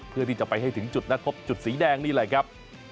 เพื่อที่จะไปให้ถึงจุดนัดพบจุดสีแดงนี่แหละครับ